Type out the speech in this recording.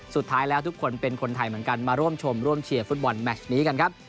สุดท้ายแล้วทุกคนเป็นคนไทยเหมือนกันมาร่วมชมร่วมเชียร์ฟุตบอลแมชนี้กันครับ